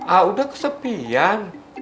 aa udah kesepian